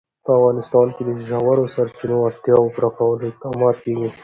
په افغانستان کې د ژورو سرچینو د اړتیاوو پوره کولو اقدامات کېږي.